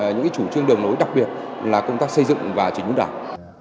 những chủ trương đường nối đặc biệt là công tác xây dựng và chỉnh đốn đảng